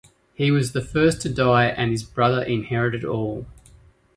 He was the first to die and his brother inherited all.